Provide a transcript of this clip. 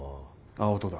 青砥だ。